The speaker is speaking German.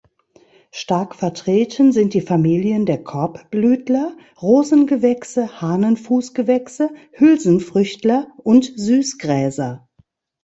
Stark vertreten sind die Familien der Korbblütler, Rosengewächse, Hahnenfußgewächse, Hülsenfrüchtler und Süßgräser.